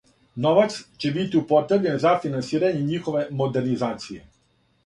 Новац ће бити употребљен за финансирање њихове модернизације.